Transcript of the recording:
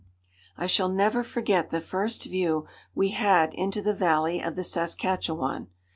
I shall never forget the first view we had into the valley of the Saskatchewan.